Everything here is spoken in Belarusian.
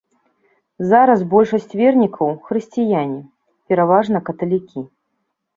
Зараз большасць вернікаў хрысціяне, пераважна каталікі.